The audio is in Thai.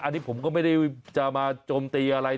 อันนี้ผมก็ไม่ได้จะมาโจมตีอะไร